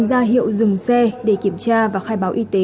ra hiệu dừng xe để kiểm tra và khai báo y tế